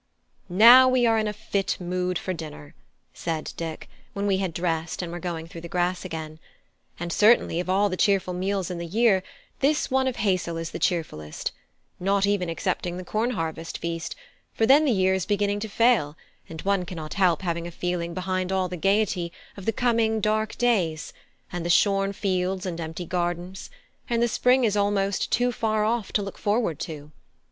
"Now we are in a fit mood for dinner," said Dick, when we had dressed and were going through the grass again; "and certainly of all the cheerful meals in the year, this one of haysel is the cheerfullest; not even excepting the corn harvest feast; for then the year is beginning to fail, and one cannot help having a feeling behind all the gaiety, of the coming of the dark days, and the shorn fields and empty gardens; and the spring is almost too far off to look forward to.